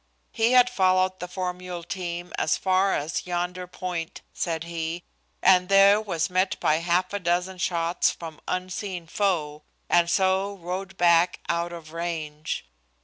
He had followed the trail of the four mule team as far as yonder point, said he, and there was met by half a dozen shots from unseen foe, and so rode back out of range.